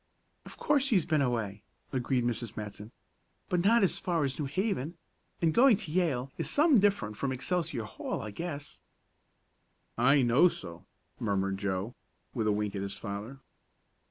"Of course he's been away," agreed Mrs. Matson, "but not as far as New Haven, and going to Yale is some different from Excelsior Hall, I guess." "I know so," murmured Joe, with a wink at his father.